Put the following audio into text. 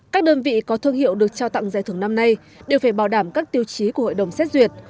các đơn vị có thương hiệu được trao tặng giải thưởng năm nay đều phải bảo đảm các tiêu chí của hội đồng xét duyệt